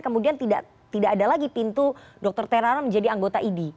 kemudian tidak ada lagi pintu dokter teraro menjadi anggota idi